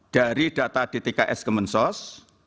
dari data dtks kemensos